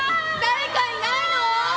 「誰かいないの！？」。